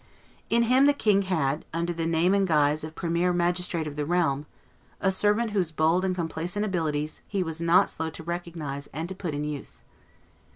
In him the king had, under the name and guise of premier magistrate of the realm, a servant whose bold and complacent abilities he was not slow to recognize and to put in use.